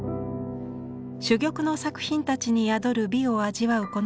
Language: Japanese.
珠玉の作品たちに宿る美を味わう